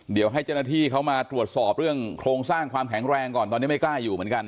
เดี๋ยวให้เจ้าหน้าที่เขามาตรวจสอบเรื่องโครงสร้างความแข็งแรงก่อนตอนนี้ไม่กล้าอยู่เหมือนกัน